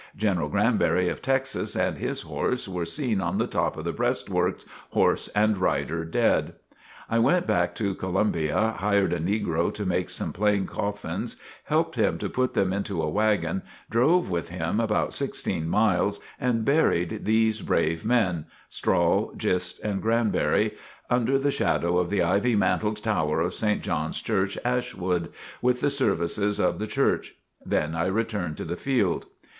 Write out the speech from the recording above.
General Granberry of Texas, and his horse were seen on the top of the breastworks, horse and rider, dead! I went back to Columbia, hired a negro to make some plain coffins, helped him to put them into a wagon, drove with him about sixteen miles, and buried these brave men, Strahl, Gist, and Granberry, under the shadow of the ivy mantled tower of St. John's Church, Ashwood, with the services of the Church. Then I returned to the field.